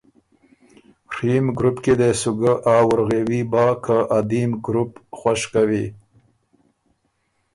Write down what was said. ڒیم ګروپ کی دې سُو ګۀ آ وُرغېوي بَۀ که ا دیم ګروپ خوش کوی۔